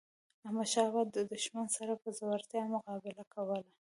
احمد شاه بابا د دښمن سره په زړورتیا مقابله کوله.